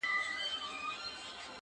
o زه به هم داسي وكړم.